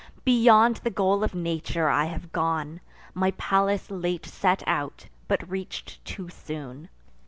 Beyond the goal of nature I have gone: My Pallas late set out, but reach'd too soon.